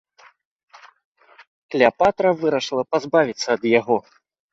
Клеапатра вырашыла пазбавіцца ад яго.